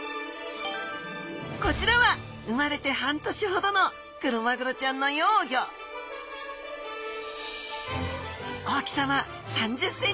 こちらは生まれて半年ほどのクロマグロちゃんの幼魚大きさは３０ｃｍほど。